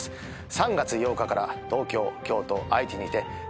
３月８日から東京京都愛知にて計１３公演。